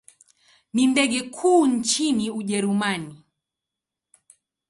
Ni ndege kuu nchini Ujerumani.